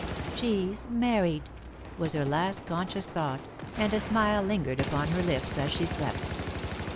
"She's married," was her last conscious thought, and a smile lingered upon her lips as she slept.